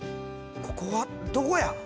ここはどこや！？